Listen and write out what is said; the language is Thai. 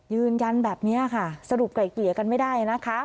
ยืนยันแบบนี้ค่ะสรุปไกลเกลี่ยกันไม่ได้นะคะ